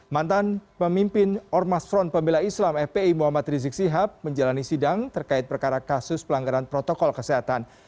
mantan pemimpin ormas front pembela islam fpi muhammad rizik sihab menjalani sidang terkait perkara kasus pelanggaran protokol kesehatan